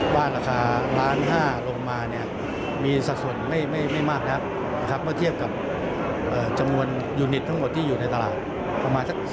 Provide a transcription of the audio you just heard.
บ้านราคาร้านห้ารกมามีสัดสนไม่มากเทียบกับจำนวนยูนิตทั้งหมดที่อยู่ในตลาดประมาณสัก๑๐